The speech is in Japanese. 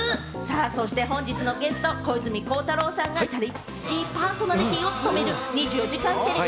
そして本日のゲスト・小泉孝太郎さんがチャリティーパーソナリティーを務める『２４時間テレビ』。